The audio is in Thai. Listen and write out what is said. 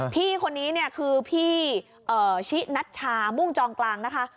พี่คนนี้เนี่ยคือพี่ชินัชชามุ่งจองกลางนะคะ